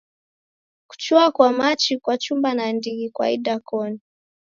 Kuchua kwa machi kwachumba nandighi kwa idakoni.